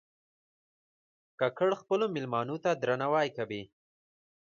کاکړي خپلو مېلمنو ته درناوی کوي.